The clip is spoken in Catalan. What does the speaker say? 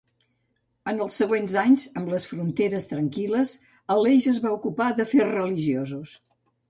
En els següents anys, amb les fronteres tranquil·les, Aleix es va ocupar d'afers religiosos.